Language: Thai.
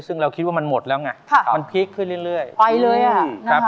ซึ่งเราคิดว่ามันหมดแล้วไงค่ะมันพีคขึ้นเรื่อยไปเลยอ่ะครับ